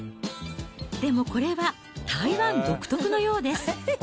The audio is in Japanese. でもこれは、台湾独特のようです。